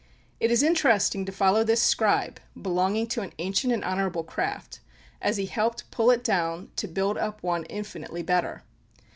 It is interesting to follow this scribe, belonging to an ancient and honorable craft, as he helped pull it down to build up one infinitely better.